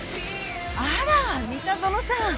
あら三田園さん。